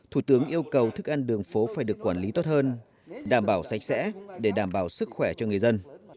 thủ tướng yêu cầu thức ăn đường phố phải được quản lý tốt hơn đảm bảo sạch sẽ để đảm bảo sức khỏe cho người dân